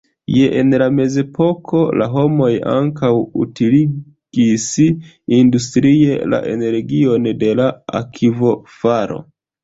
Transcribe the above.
Ja en la mezepoko la homoj ankaŭ utiligis industrie la energion de la akvofalo.